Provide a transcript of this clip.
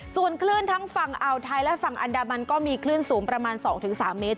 ส่วนคลื่นทั้งฝั่งอ่าวไทยและฝั่งอันดามันก็มีคลื่นสูงประมาณ๒๓เมตร